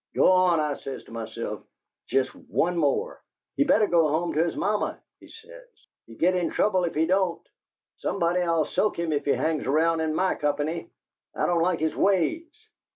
'Go on,' I says to myself, 'jest one more!' 'HE better go home to his mamma,' he says; 'he'll git in trouble if he don't. Somebody 'll soak him if he hangs around in MY company. I don't like his WAYS.'